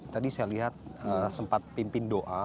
tadi saya lihat sempat pimpin doa